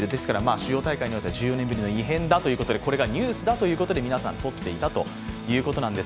主要大会では１４年ぶりの異変だということでこれがニュースだということで撮っていたんです。